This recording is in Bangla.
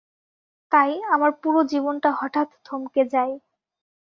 তাই, আমার পুরো জীবনটা হঠাৎ থমকে যাই।